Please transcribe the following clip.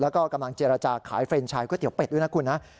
แล้วก็กำลังเจรจาขายเฟรนชายก๋วเตี๋เป็ดด้วยนะคุณนะ